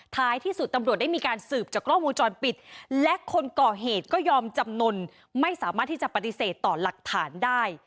ท้ายที่สุดตำรวจได้มีการสืบจากกล้องวงจรปิดและคนก่อเหตุก็ยอมจำนวนไม่สามารถที่จะปฏิเสธต่อหลักฐานได้